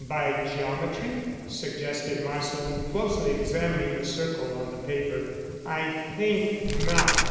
"By geometry?" suggested Marsland, closely examining the circle on the paper. "I think not.